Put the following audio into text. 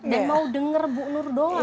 dan mau denger bunur doang